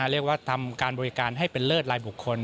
เรียกว่าทำการบริการให้เป็นเลิศรายบุคคล